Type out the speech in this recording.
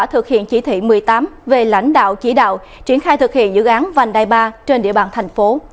thực hiện chỉ thị một mươi tám về lãnh đạo chỉ đạo triển khai thực hiện dự án vành đai ba trên địa bàn thành phố